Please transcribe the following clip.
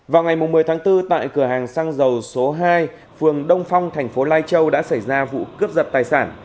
vào ngày một mươi tháng bốn tại cửa hàng xăng dầu số hai phường đông phong thành phố lai châu đã xảy ra vụ cướp giật tài sản